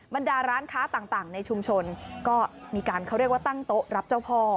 บรรดาร้านค้าต่างในชุมชนก็มีการเขาเรียกว่าตั้งโต๊ะรับเจ้าพ่อ